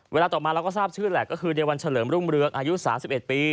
เวลาต่อมาเราก็ทราบชื่อแหละก็คือในวันเฉลิมรุ่งเรืองอายุ๓๑ปี